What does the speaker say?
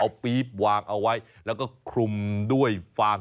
เอาปี๊บวางเอาไว้แล้วก็คลุมด้วยฟาง